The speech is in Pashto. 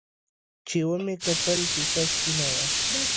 چې ومې کتل ښيښه سپينه وه.